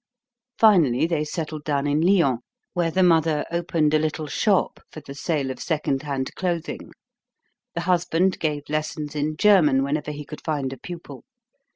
Finally, they settled down in Lyons, where the mother opened a little shop for the sale of second hand clothing. The husband gave lessons in German whenever he could find a pupil.